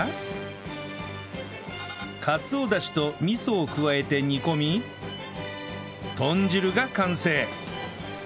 かつおダシと味噌を加えて煮込み豚汁が完成